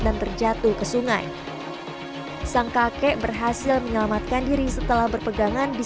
dan terjatuh ke sungai sang kakek berhasil menyelamatkan diri setelah berpegangan di